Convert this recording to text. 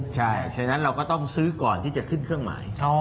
ใช่ฉะนั้นเราก็ต้องซื้อก่อนที่จะขึ้นเครื่องหมาย